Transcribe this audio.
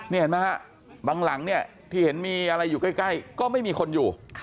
นี่เห็นไหมฮะบางหลังเนี่ยที่เห็นมีอะไรอยู่ใกล้ก็ไม่มีคนอยู่